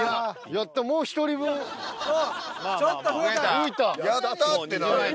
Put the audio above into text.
「やった」って何や。